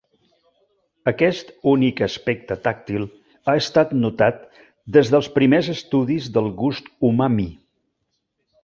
Aquest únic aspecte tàctil ha estat notat des dels primers estudis del gust umami.